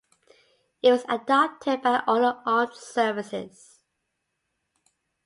It was adopted by all the armed services.